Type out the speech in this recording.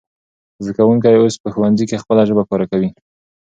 زده کوونکی اوس په ښوونځي کې خپله ژبه کارکوي.